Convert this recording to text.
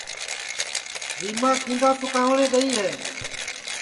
ریماں کیندا سُکاوٹؔے گئے ہے